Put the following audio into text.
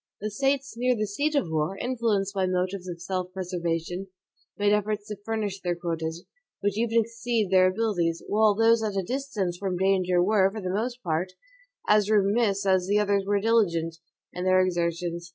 The States near the seat of war, influenced by motives of self preservation, made efforts to furnish their quotas, which even exceeded their abilities; while those at a distance from danger were, for the most part, as remiss as the others were diligent, in their exertions.